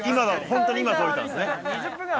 ホントに今届いたんですね